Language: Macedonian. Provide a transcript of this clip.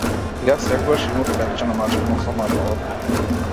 Јас секогаш имав лепче намачкано со мармалад.